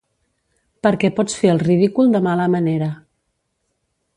Perquè pots fer el ridícul de mala manera.